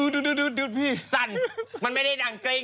ดูดูดูดดูดพี่สั่นมันไม่ได้ดั่งกลิ้ง